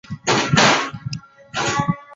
别海町为日本北海道根室振兴局野付郡的町。